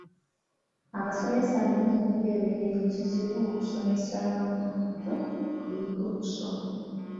Abasomesa bennyini beebeerera ekizibu mu kusomesa abaana abato okuyiga okusoma.